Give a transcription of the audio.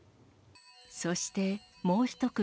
そして、もう１組。